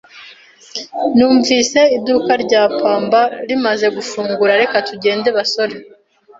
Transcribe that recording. Numvise iduka rya pamba rimaze gufungura. Reka tugende, basore.